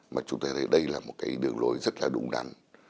mà chúng ta thấy đây là một cái đường lối rất là đúng đắn